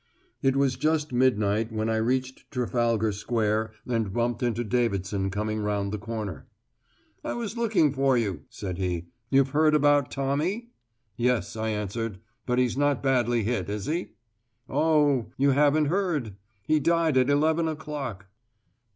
It was just midnight when I reached Trafalgar Square and bumped into Davidson coming round the corner. "I was looking for you," said he. "You've heard about Tommy?" "Yes," I answered. "But he's not badly hit, is he?" "Oh, you haven't heard. He died at eleven o'clock."